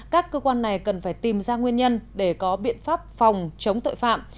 các cơ quan này cần phải tìm ra nguyên nhân để có biện pháp phòng chống tội phạm